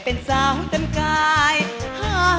โอ้โฮอีก